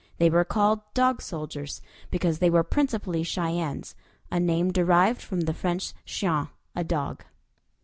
They were called "Dog Soldiers" because they were principally Cheyennes a name derived from the French chien, a dog.